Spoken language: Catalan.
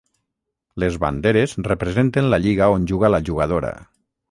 Les banderes representen la lliga on juga la jugadora.